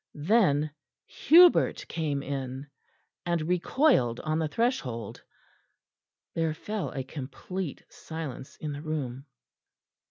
Then Hubert came in, and recoiled on the threshold. There fell a complete silence in the room.